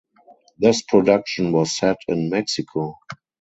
This production was set in Mexico.